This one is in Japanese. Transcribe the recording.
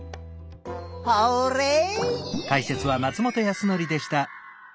ホーレイ！